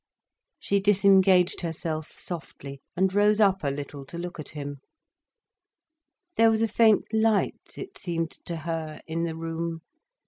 She disengaged herself, softly, and rose up a little to look at him. There was a faint light, it seemed to her, in the room.